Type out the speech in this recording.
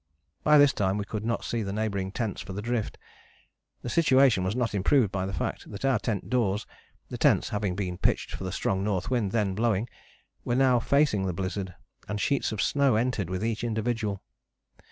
By this time we could not see the neighbouring tents for the drift. The situation was not improved by the fact that our tent doors, the tents having been pitched for the strong north wind then blowing, were now facing the blizzard, and sheets of snow entered with each individual.